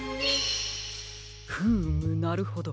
フームなるほど。